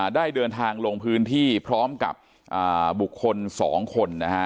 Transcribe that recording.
ได้เดินทางลงพื้นที่พร้อมกับบุคคล๒คนนะฮะ